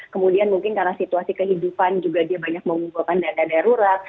kemudian mungkin karena situasi kehidupan juga dia banyak mengumpulkan dana darurat